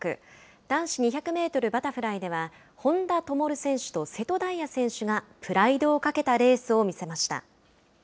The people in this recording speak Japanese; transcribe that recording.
男子２００メートルバタフライでは本多灯選手と瀬戸大也選手がプライドをかけたレースを見せました。